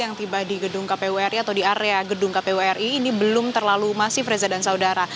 yang tiba di gedung kpu ri atau di area gedung kpu ri ini belum terlalu masif reza dan saudara